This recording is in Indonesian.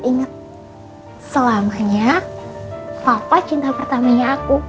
ingat selamanya papa cinta pertamanya aku